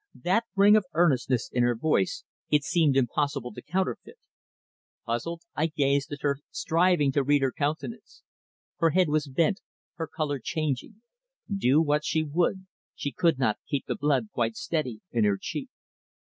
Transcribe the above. That ring of earnestness in her voice it seemed impossible to counterfeit. Puzzled, I gazed at her, striving to read her countenance. Her head was bent, her colour changing; do what she would she could not keep the blood quite steady in her cheek.